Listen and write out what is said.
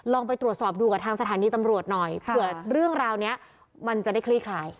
ไปตรวจสอบดูกับทางสถานีตำรวจหน่อยเผื่อเรื่องราวนี้มันจะได้คลี่คลาย